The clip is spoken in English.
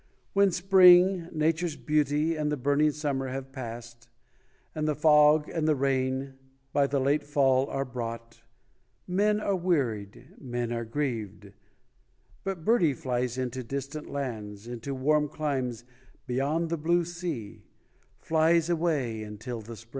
When Spring, Nature's Beauty, And the burning summer have passed, And the fog, and the rain, By the late fall are brought, Men are wearied, men are grieved, But birdie flies into distant lands, Into warm climes, beyond the blue sea: Flies away until the spring.